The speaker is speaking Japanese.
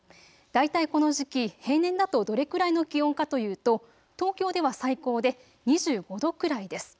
大体この時期、平年だとどれくらいの気温かというと東京では最高で２５度くらいです。